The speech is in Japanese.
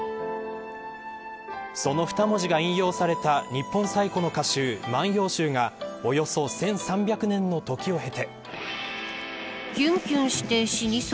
その２文字が引用された日本最古の歌集、万葉集がおよそ１３００年のときを経て。